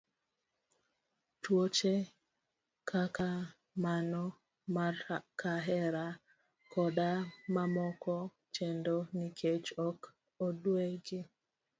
Tuoche kaka mano mar kahera koda mamoko chendo nikech ok odew gi.